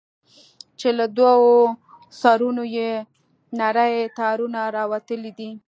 چې له دوو سرونو يې نري تارونه راوتلي دي.